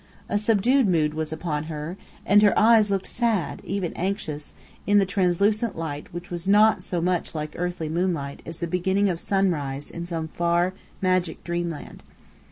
A subdued mood was upon her, and her eyes looked sad, even anxious, in the translucent light which was not so much like earthly moonlight as the beginning of sunrise in some far, magic dreamland.